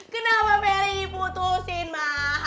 kenapa melih diputusin ma